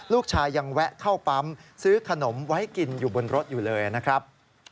ลูกชายยังแวะเข้าปั๊มซื้อขนมไว้กินอยู่บนรถอยู่เลยนะครับ